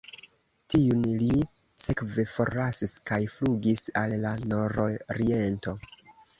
Tiun li sekve forlasis kaj flugis al la nororiento.